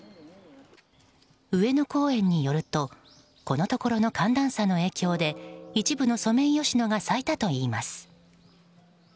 上野公園によるとこのところの寒暖差の影響で一部のソメイヨシノが咲いたといいます。